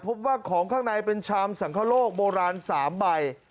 พบว่าของข้างในเป็นชามสังคโลกโบราณ๓ใบ